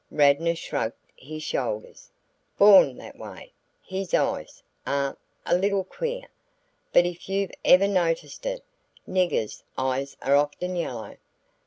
Radnor shrugged his shoulders. "Born that way. His eyes are a little queer, but if you've ever noticed it, niggers' eyes are often yellow.